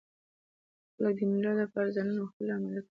خلک د مېلو له پاره ځانونه وختي لا اماده کوي.